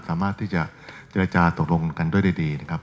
สามารถที่จะเจรจาตกลงกันด้วยดีนะครับ